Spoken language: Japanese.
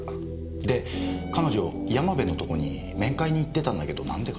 で彼女山部のとこに面会に行ってたんだけどなんでかな？